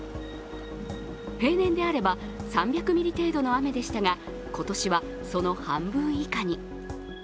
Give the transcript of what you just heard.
平年であれば、３００ミリ程度の雨でしたが、今年はその半分以下に。